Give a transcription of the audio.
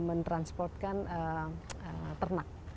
kita tuh mau transportkan ternak